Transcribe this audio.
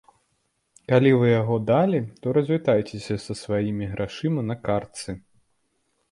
Калі вы яго далі, то развітайцеся са сваімі грашыма на картцы!